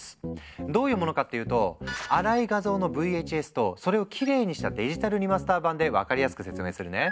どういうものかっていうと粗い画像のＶＨＳとそれをきれいにしたデジタルリマスター版で分かりやすく説明するね。